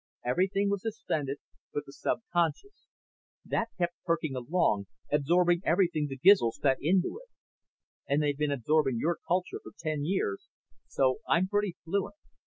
"Everything was suspended but the subconscious. That kept perking along, absorbing everything the Gizls fed into it. And they've been absorbing your culture for ten years, so I'm pretty fluent.